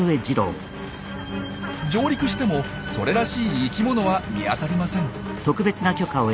上陸してもそれらしい生きものは見当たりません。